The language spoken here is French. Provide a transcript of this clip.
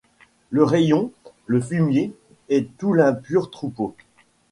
Le rayon, le fumier, et tout l’impur troupeau